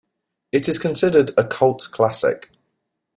It is considered a cult classic.